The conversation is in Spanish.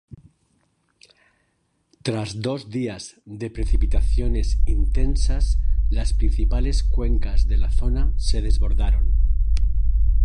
Tras dos días de precipitaciones intensas las principales cuencas de la zona se desbordaron.